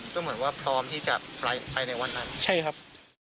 ก็เหมือนว่าพร้อมที่จะภายในวันนั้นใช่ครับ